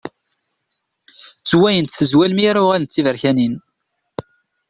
Ttewwayent tezwal mi ara uɣalent d tiberkanin.